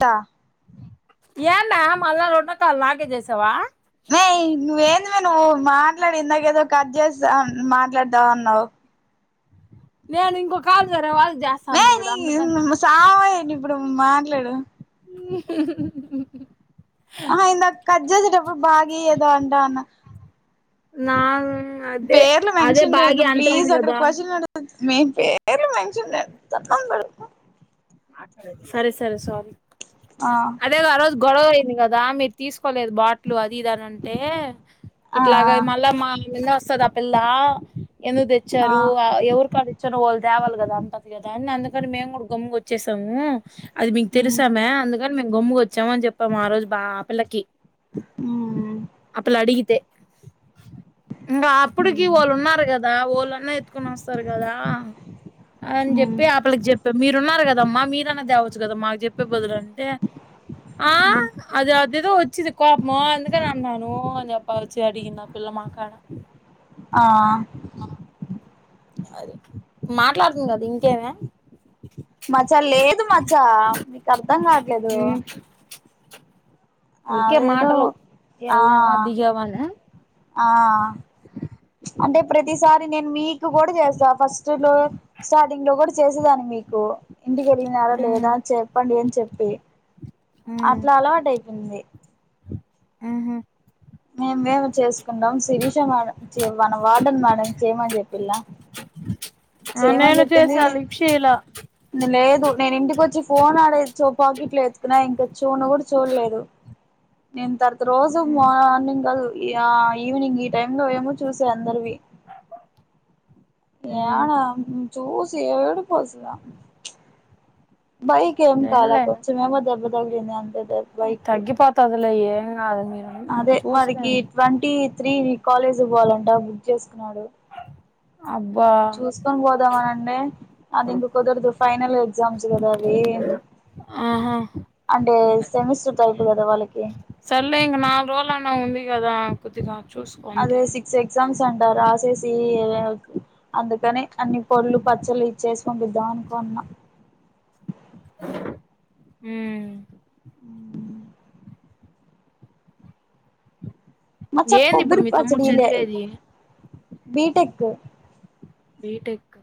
త ఏన్నా మళ్ళా రోండకా లాగే చేసావా న నువ్వేందు మేను మాట్లాడి ఇందాక ఏదో కట్ చేస్తా మాట్లాడతావ్ అన్నావు నేను ఇం కాల్దార వాళ్ మ మసాని ఇప్పుడు మాట్లాడు ఆ ఇ కజజాజట ఎప్పుడు బాగా్య ఏదంటా నా అదే పేర్లు అదే మెన్షన్ బాగి చేయ్యద్దు అంటలేదు ప్లీజ్ అక్కడా కదా ఫస్ట్ మీన్ పేరు మనుషు ఎతన్నా పెడు సరే సరే సాల ఆ అదే ఆ రోజ గడ కదా మీరు తీసుకు కోలేదు బాట్లు అది ఇదని అంటే ఆ ఇట్లాగ మళ్ళా మా ల వస్తదా పిల్ల ఎందుకు ఆ తెచ్చారు ఎవరు కాడ ఇచ్చారో వాళ్ళు దేవాలి కదా అంత ద అ అందుకని మే కూడా గమచ్చ వచ్చసాము అది మీకు మ్ తెరిసమ అంత కానీ మేము గమ్ముకుచ్చామ అని చెప్పాం ఆ రజు బా ఆపిల్లకి మ్ అప్పులా అడుగతే ఇంకా అప్పుడుకి మ్ వాళ్ళు ఉన్నారు కదా వాళ్ళున్నా ఎత్తుకొని వస్తారు కదా అని మ్ చెప్పి ఆపలికి చెప్పా మీరున్నారు కదా మీరనా దేవచ్చు కదా మాకు చెప్పే బదులు అంటే ఆ మ్ అది అద ఏదో వచ్చిది కోపం అదుకే అన్నాను అ చేపల వచ్చి అడిగిందా పిల్ల మాకాడ ఆ అదిే మాట్లాడుతుంది కదా ఇంకేమి మచ్చ లేదు మచ్చ మీకు అర్ధం కావట్లేదు మ్ ఊరికే అదే ఏదో మాటలు ఆ ఎళ్ళావా దిగావా అనా ఆ అంటే ఇప్పుడు ప్రతిసారి నేను మీకు కూడా చేసా ఫస్ట్ లో స్టార్టింగ్ లో కూడా చేసేదాన్ని మీకు ఇంటికి ఎళ్ళినారా మ్ లేదా చెప్పండి అని చెప్పి మ్ అట్లా అలవాట అయిపోయింది ఆహా మేమేమి చేసు [unintelligible] శిరీష మేడం మన వాార్డన్ మేడం చేయమని చెప్పిలా ఆ చేయమని నేను చెప్పింది చేసా లిఫ్ట్ చేయలా లేదు నేను ఇంటిక వచ్చి ఫోన్ ఆడే చోపకిట్లేదు నా ఇంకా చూ కూడా చూడలేదు నేను తర్ రోజు మ్ మార్నింగ్ ఇ ఈవినింగ్ ఈ టైమ్ లో ఏమో చూసా అందరివి మ్ ఏడ చూసి ఏడుపు అసలా బైక్ ఏం కల కొంచెం ఏమో దెబ్బ [unintelligible] బైక్ కి తగ్గిపోతదులే ఏం కాదు మీరు చూసను కాలేజీ పోవాలంటా బుక్ చేసుకున్నాడు అబ్బా చూసుకొని పొదమ్మనంటై అది ఇంక కుదరదు ఫైనల్ ఎగ్జామ్స్ కదా అవి ఆహా అంటే సెమిస్టర్ టైప్ కదా వాళ్ళకి సర్లే ఇంగ నాలుగు రోజలన్న ఉంది కదా కొద్దిగా చూస్కో అదే అంతే సిక్స్ ఎగ్జామ్స్ అంటారు రాసేసి అందుకని అన్ని పళ్ళు పచ్చలు చేసి పంపిద్దాం అనుకున్నాం మ్మ్ మచ్చా ఏంది ఇప్పుడు కొబ్బరి మీ తమ్ముడు పచ్చడి ఇలే చదివేది బీటెక్ బీటెక్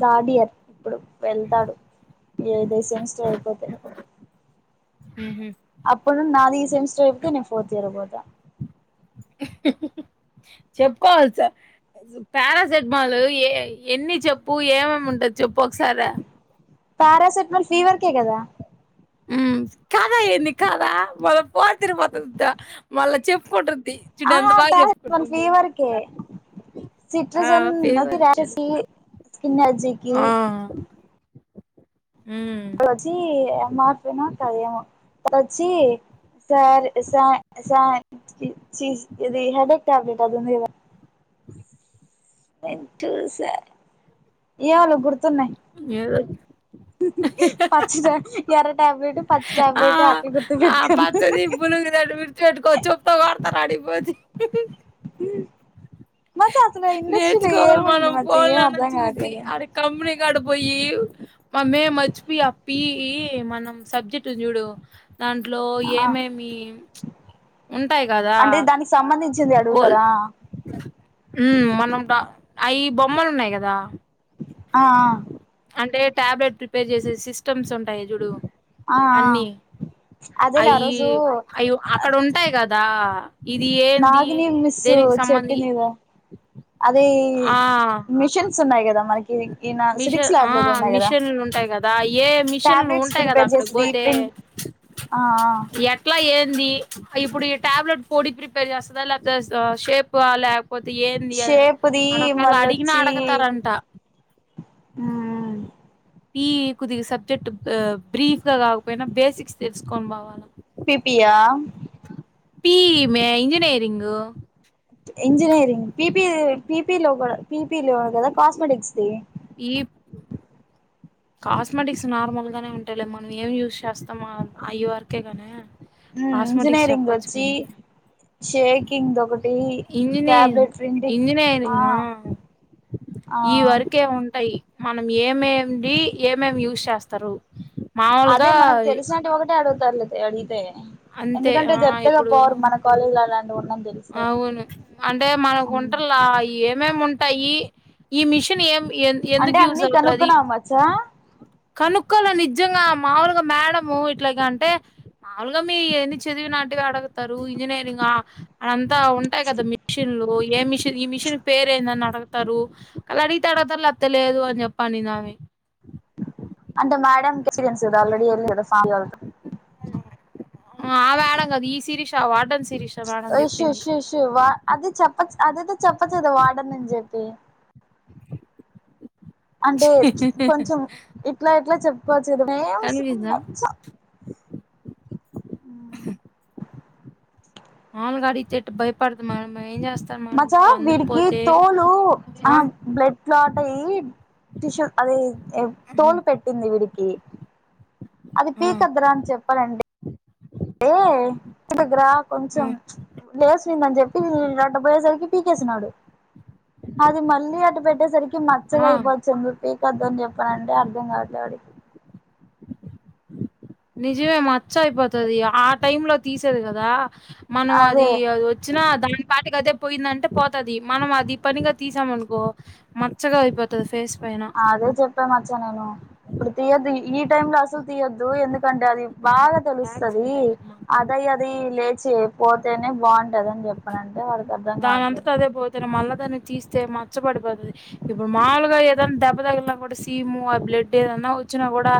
థర్డ్ ఇయర్ ఇప్పుడు వెళ్తాడు ఏదో సెమిస్టర్ అయిపోతే ఉహు అప్పుడు నాదీ ఈ సెమిస్టర్ అయిపోతే నేను ఫోర్త్ ఇయర్‌ పోత చెప్పుకోవాలసా పారాసెట్మాల్ ఏ ఎన్ని చెప్పు ఏమేమి ఉంటాయి చెప్పు ఒకసారీ ప్యారాసెటమోల్ ఫెవెర్క్ కదా ఊ కాదా ఏంది కాదా మళ్ళ ఫోర్త్యేర్కు పోతుంది మళ్ళా చెప్పుకుంట ఆహా పారాసెటమాల్ ఫెవెర్క్ ఆ సిట్రిజన్ ఫీవర్కి రషెస్ స్కిన్న అలెర్జీకి ఆ హ్మ్. రజీ మాపోనా కద్యామ రజీ సారి సా సా జీ చీ ఇది హెడ్ ఎక్ టాబ్లెట్ ఆదివుంది ఇవ హై ూటుస ఎవళ గుతు ఆహ ఏదో హా ఆక్సిజన్ త్యర ఆ ఆ పెట్టుకున్నా పచ్చది పులుంగది గుర్తు పెట్టుకొని చెప్తో కొడతారు ఆడికిపోది హ మచ్చ అసలు ఇండస్ట్రీలో ఏం నేర్చుకోవాలి ఉంటది, మనం మచ్చ ఏం అర్ధం కావట్లేదు గడిపోయి మమే మర్చిపోయి అప్పి మనం సబ్జెక్ట్ చూడు దాంట్లో ఆ ఏమేమి ఉంటాయి కదా అంటే దానికి సంబంధించింది ఓల్ అడుగుతారా ఉ మనం అవి బొమ్మలు ఉన్నాయి కదా ఆ టాబ్లెట్ ప్రిపేర్ చేసే సిస్టమ్స్ ఉంటాయి చుడు ఆ ఆ అన్నీ అదేలే ఆ అవి రోజు అవి అక్కడ ఉంటాయి కదా ఇది ఏంది నాకు నీ మిస్సు దేనికి సంబంధి చెప్పిందిదా అదే ఆ మిషన్స్ ఉన్నాయా మిషన్ ఆ కదా మిషన్లు ఉంటాయి కదా ఏ మిషన్లు టాబ్లెట్స్ ఉంటాయి కదా ప్రిపేర్ అక్కడికి చేసేది పోతే ప్రింట్ ఆ ఎట్లా ఏ ఇప్పుడు ఈ టాబ్లెట్ పొడి ప్రిపేర్ చేస్తుందా లేకపోతే షేప్ పోతే ఏంది అని షేప్ది అడొ ఒకేళ అడిగినా అడగతారంట ఆ పీకుది గా సబ్జెక్ట్ బ్రీఫ్ గా కాకపోయినా బేసిక్స్ తెలుసుకొని పోవాలి పిపియా పి ఈ ఈ ఇంజినీరింగ్ ఇంజనీరింగ్ పిపి పిపి లో కూడా పిపీ లో కదా కాస్మోటిక్స్ ఈప్ కాస్మెటిక్స్ నార్మల్ గానే ఉంటాయి అట్టేలా మనం ఏం యూజ్ చేస్తాం అయ్య వర్కే గానే కాస్మెటిక్స్ ఇంజనీరింగ్ చెప్పచ్చు వచ్చి కాని షేకింగ్ ఒకటి ఇంజనీరింగ్ ట్యాబ్లెట్ ప్రింటింగ్ ఆ ఇంజనీరింగ్ ఆ ఈ వరకే ఉంటాయి మనం ఏమేమిడి ఏమేమి యూజ్ చేస్తారు అదే మాములుగా మనకు తెలిసినంటివి ఒకటే అడు సర్లే తే అడిగీతే అంతే ఎందుకంటే ఆ చెత్తగా ఇప్పుడు పోరు మన కాలేజీలో అలాంటి ఉన్న అవును అంటే మన కుంటన్ల ఏ మేం ఉంటాయి ఈ ఈ మిషన్ ఏం ఎన్- అంటే ఎందుకు అన్నీ కనుక్కున్నావా మచ్చా కనుక్కలో నిజంగా మాముూలుగా మేడము ఇట్లాగ యిగ అంటే మాములుగా మీ ఎన్ని చదివి నాటిగ అడగుతారు ఇంజనీరింగా అంతా ఉంటాయి కదా మిషన్లు ఏ మిషన్ ఈ మిషిన్ పేరు ఏందని అడ తారు అలా అడిగితే అడగతారు ల్యాతే లేదు అని చెప్పు అనింది ఆమె అంటే మ్యాడంకి ఎక్స్పీరియన్స్ కదా ఆల్రెడీ ఏళ్ళింది కదా సార్లతో ఆ మేడం కద్ ఈ సిరీష ఆ వాడన్ సిరీషా మేడంని చెప్పింది అదేతే చెప్పచ్చదా వాడనని చెప్పి అంటే కొంచెం ఇట్లా ఇట్లా చెప్ [unintelligible] కనిపిందా మచ్చా మామగాడి చెట్టు భయపడదు మనం ఎంచే మచ్చా వీడికి తోలు ఆ బ్లడ్ లాట్ అయ్యి టిష్యూ అదే తోలు పెట్టింది వీడికి కి అది ఆ పీకద్దరా అని చెప్పాన ఏ ఇటు గ్రా కొంచెం లేస్ దని చెప్పి అట్ట పోయేసరికి పీకేసినాడు అది మళ్ళీ అట్ట పెట్టేసరికి మచ్చగ ఆ ఆ అయిపోది చందు పీకద్దదని చెప్పానంటే అర్థం కావట్లే వాడికి నిజమే మచ్చ అయిపోతది ఆ టై లో తీసేది కదా మనం అదే అది అది వచ్చినా దాని పాటికి అదే పోయిందంటే పోతది మనం అది పనిగా తీసాం అనుకో మ అదే చెప్పామచ్చా నేను ఇప్పుడు తీయదు ఈ టైమ్ లో అసలు తీయొద్దు ఎందుకంటే అది హుహు. బాగా తెలుస్తది యాక్సిడెంట్ అయ్యింది మా అత్తమ్మ అదయ అది లే చే పోతేనే బాన్ కద నని చెప్పనంటే వాడికి అర్థం కావట్లేదు తను మళ్ళ దాన్ని తీస్తే మచ్చపడిపోంది ఇప్పుడు మాములుగా ఏద దెబ్బ తగిలిన కూడా శిమ్ ఆ బ్లడ్ ఏదన్నా వచ్చినా కూడా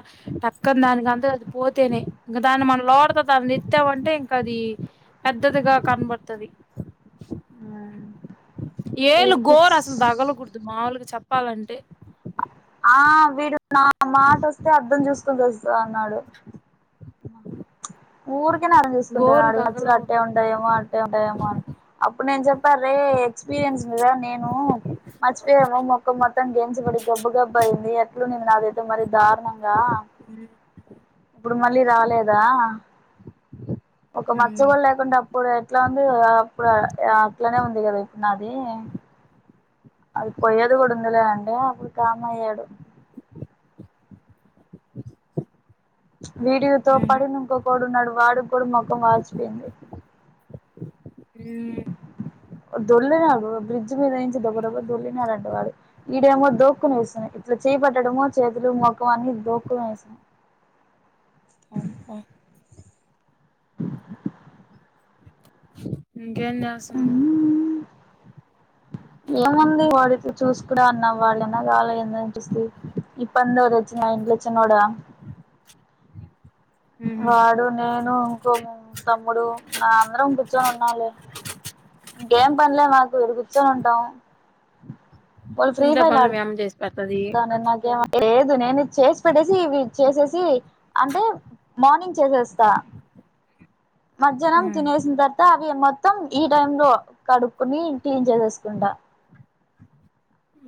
టక్క దానికి అ అది పోతేనే ఇంకా దాన్ని మన లోతుగా దాన్ని తిత్తామంటే ఇంకా అది పెద్దదిగా కనబడుతది [inaudible] ఏలు వీడికి గోరు అసలు దగలకుడదు మాముూలుగా చ చెప్పాలంటే ఆ వీడు నా మాట వస్తే అద్ధం చూస్త సంద్ అన్నాడు అ ఊరికేనే అడానిస్తుండు గోరు చూసుకుంటున్నాడు మచ్చలు అట్టే తగలకూడదు ఉంటాయేమో అట్టే ఉంటాయేమో అని అప్పుడు నేను చెప్పారు రే ఎక్స్పీరియన్స్ మీదా నేను మర్చిపోయామో మొక్క మొత్తం గెంచబడి గబ్బు గబ్బు అయింది ఎట్లు నే స్తాది ఇ మరి దారుణంగా ఇప్పుడు మళ్ళీ రాలేదా ఒక మచ్చ కుడా లేకుండా అప్పుడు అట్లాంది అప్పుడు అట్లానే ఉంది కదా ఇప్పుడు నాది అది పోయేది కూడా ఉందిలే అండి అప్పుడు కామ అయ్యాడు వీడియోతోపడినుంకకడు నడు వాడు కూడా ముఖం వాచిపోయింది హ్మ్ దొల్లినాడు బ్రిడ్జ్ మీద నుంచి దొగడబ్బ దొల్లినాడుంటే వాడు ఈడేమో దోక్కుని వేస్తున్నాయి ఇట్లా చేపట్టడమో చేతులు మొఖం అన్ని దోక్కుని వేస్తున్నాయి అనుకా [inaudible] ఇంకేంచేస్తున్నావ్ ఏముంది వాడితే చూసు కూడా అన్నా వాళ్ళనా కాల ఏందనిపిస్తే పండగ తెచ్చిన నోడుచ్చినోడా ఉహు వాడు నేను ఇంకో తమ్ముడు నా అందరం ఇం కూర్చొని ఉన్నాలి ఇంకేం పనులే మాకు కూర్చొని ఉంటాం ఇంట్లో పనులు మీ అమ్మ చేస్ అ నాక [inaudible] లేదు నేను చేసి పెట్టేసి ఇవి చేసేసి అంటే మార్నింగ్ చేసేస్తా మధ్యానం ఉమ్ తినేసి అవి మొత్తం ఈ టైంలో కడుక్కుని క్లీన్ చేసేస్కుంటా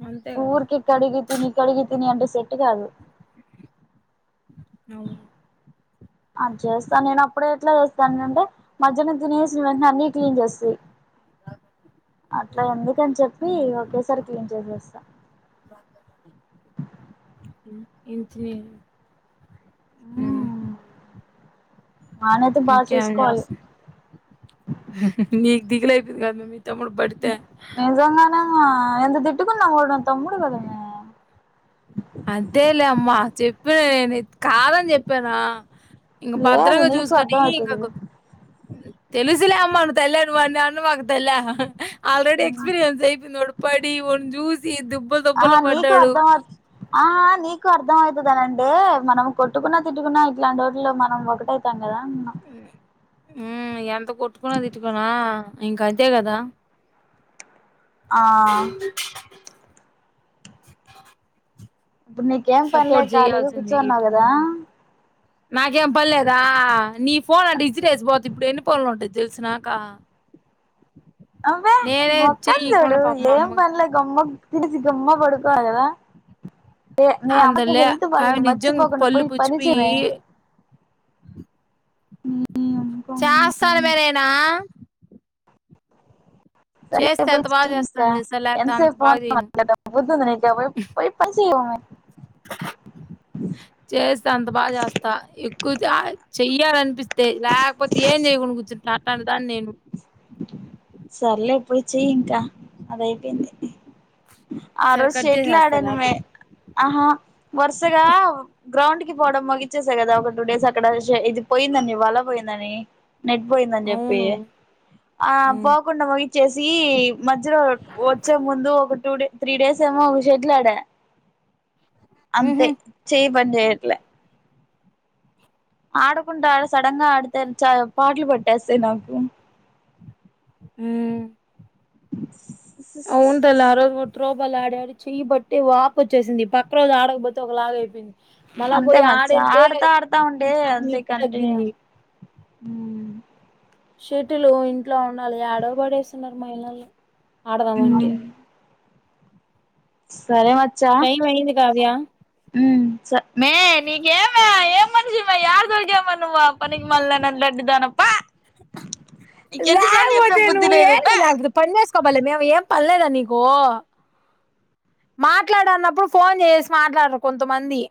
అంతే కదా ఉర్కే కడిగి తిని కడిగి తిని అంటే సెట్ కాదు అవును అది చేస్తాను నేను అప్పుడే ఎట్లా చేస్తాను అంటే మధ్యాహ్నం తినేసి వెంట్నే అన్ని క్లీన్ చేస్తి. అట్లే అని చెప్పి ఓకే సారి క్లీన్ రేపు వస్తా ఇంజనీరింగ్ ఉమ్ వానైతే బాగా ఇంకేం చూసుకోవాలి జేస్తా దిగులితది కథ్ మమ్మీ తమ్ముడు పడితే ఆ ఎంత తిట్టుకున్నా కూడా తమ్ముడు కదనే చెప్పే నేన్ కాదని చెప్పానా ఇంక లేదు భద్రంగా నీకు చూసుకొని అర్థమితది ఇంక తెలుసులే అమ్మను తెల్లి నువ్వు నన్ను అనమకు తల్లే ఆల్రెడీ ఆ ఎక్స్పీరియన్స్ ఇపొనోడు పడి ఒకని చూసీ ఈ దుబ్బ దుబ్బలకు పడ్డాడు అహ్ నీకు అర్థం అవుతదనంటే మనం కొట్టుకున్నా తిట్టుకున్నా ఇట్లాంటి రోడ్లు మనం ఒకటైతండి కదా అమ్మ ఉమ్మ్ ఎందుకు కొట్టుకోన తిట్టుకోనా ఇంకా అంతే కదా ఆ ఇప్పుడు నీకేం పనిలే సపోర్ట్ ఖాళీగా చేయాల్సింది ఎటు కూర్చోన్నావు కదా తిరిగి. నాకేం పన్లేదా నీ ఫోన్ అటు ఇసిరేసి పోతి ఇప్పుడు ఎన్ని పోనులు ఉంటుది తెలుసినాకా అవే మొక్కన్ చుడు మా ఏం అమ్మ పన్లే గమ్ తిడిసి గమ్మ పడుకో ఆగదా అందులే కా నిజంగా మర్చిపోకుండా పళ్ళు పోయి పుచ్చి పని పొయి చేయమే చేస్తాను మెరీనా సర్లే చేస్తే పోయి ఎంత బాగా చెయ్ ఇంకా చేస్తాను లేస లేక ఎంతసేపు ఫోన్ పోతే అంత బాగా చేయను మాట్లాడతావ్ బుద్ధుందా నీకు పోయి పోయి పని చెయ్ చేస్తే అంత బాగా చేస్తా ఎక్కువ చ చెయ్యాలనిపిస్ తే లేకపోతే ఏం చేయకుండా కూర్చునా నా తల్దాన్ నేను సర్లే ఇప్పుడు చెయ్ గా అదైపోయింది ఆ సరే రోజు కట్ సెట్లు చేసేస్తాలే ఆడాను మే ఆపేయ్. ఆహా వరుసగా గ్రౌండ్కి కి పోవడం ముగిచ్చేసా కదా ఒక టూ డేస్ అక్కడ ఇది పోయిందడి వాళ్ళ పోయిందని నెట్ పోయిందని చెప్పు అవును పోయి ఆ హ్మ్ పోకుండా మరి చేసి మధ్యలో వచ్చే ముందు ఒక టూ డే త్రీ డేస్ ఏమో షట్లాడ అంతే హుహు చే పని చేయట్లే ఆడకుంటా సడన్ గా ఆడతారు చాలా పాటలు పడి ఆసే నాకు హ్మ్మ్ అవు ఉంటలే ఆరోవు త్రూ బాగ ఆడాడి చెయ్యి పట్టి వాపొచ్చేసింది పక్క రోజు ఆడకపోతే ఒకలాగ అయిపోయింది మళ్ళా అంతే పోయి మచ్చ ఆడైతే ఆడతా ఆడతా ఉంటే నుంచునప్పుడు అంతే నొప్పి కంటిన్యూ తగ్గింది. అ షటిల్ ఇంట్లో ఉండాలి యాడో పడేస్తున్నారు మా ఇళ్లలో ఆడదామంటి సరే మచ్చా టైం అయింది కావ్య. హ్మ్మ్ మే నీకేమ ఏ మనిష మే యాడ దొరికావు మరి నువ్వా పనికి మాల్దాన నడ్డిదాన చెప్పిన ల్యాకపోతే బుద్ధి నువ్ లేదు ఏంది పా నాకు పని చెస్ [unintelligible] మేము ఏం పనిలేదా నీకు మాట్లాడన్నప్పుడు ఫోన్ చేసి మాట్లాడరు కొంతమంది